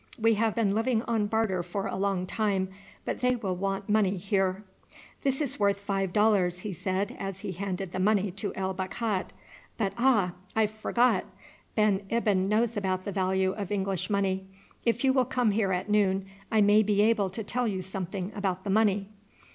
We have been living on barter for a long time, but they will want money here." "This is worth five dollars," he said as he handed the money to El Bakhat; "but, ah! I forgot, Ben Ibyn knows about the value of English money. If you will come here at noon I may be able to tell you something about the money."